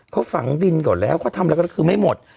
เขาฝังดินก่อนแล้วเขาทำอะไรก็คือไม่หมด